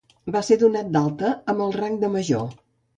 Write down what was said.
Va ser donat d'alta amb el rang de Major.